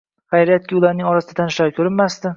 Xayriyatki ularning orasida tanishlari ko`rinmasdi